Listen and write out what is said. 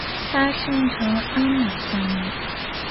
他擅长鞍马项目。